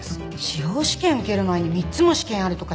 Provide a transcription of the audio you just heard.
司法試験受ける前に３つも試験あるとか信じらんない。